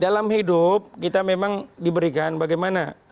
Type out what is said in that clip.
dalam hidup kita memang diberikan bagaimana